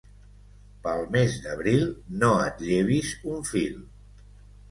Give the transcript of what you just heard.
Pel mes d'abril no et llevis un fil.